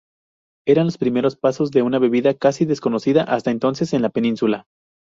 Eran los primeros pasos de una bebida casi desconocida hasta entonces en la península.